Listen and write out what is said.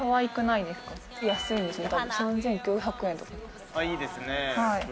いいですね。